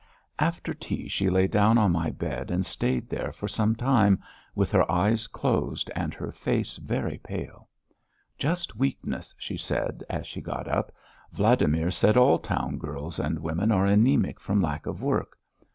After tea she lay down on my bed and stayed there for some time, with her eyes closed, and her face very pale. "Just weakness!" she said, as she got up. "Vladimir said all town girls and women are anæmic from lack of work.